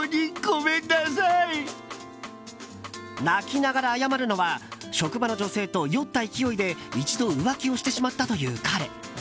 泣きながら謝るのは職場の女性と酔った勢いで一度浮気をしてしまったという彼。